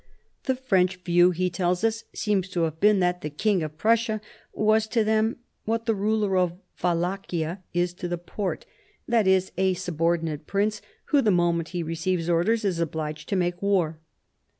The French view, he tells us, seems to have been that " the King of Prussia was to them what the ruler of Wallachia is to the Porte; that is, a subordinate prince, who the moment he receives orders is obliged to make war."